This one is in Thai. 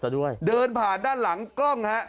เดินผ่านด้านหลังกล้องนะฮะ